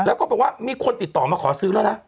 แล้วก็บอกว่ามีคนติดต่อมาขอซื้อแล้วนะ